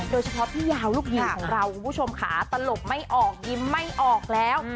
พี่ยาวลูกยิงของเราคุณผู้ชมค่ะตลกไม่ออกยิ้มไม่ออกแล้ว